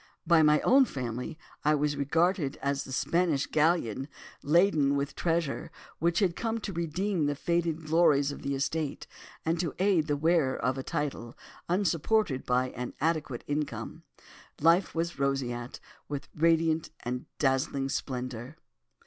"By my own family, I was regarded as a Spanish galleon, laden with treasure, which had come to redeem the faded glories of the estate, and to aid the wearer of a title, unsupported by an adequate income. Life was roseate, radiant with dazzling splendour.